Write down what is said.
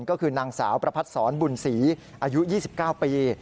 ก็คือนางสาวประพัดศรบุญศรีอายุ๒๙ปี